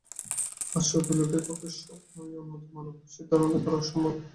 পাশ্চাত্য লোকের পক্ষে স্বপ্নেও এই উন্নত মানবগোষ্ঠীর ধারণা করা অসম্ভব।